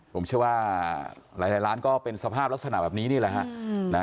ผมเชื่อว่าหลายร้านก็เป็นสภาพลักษณะแบบนี้นี่แหละฮะ